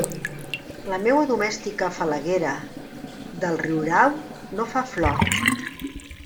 La meua domèstica falaguera del riurau no fa flor.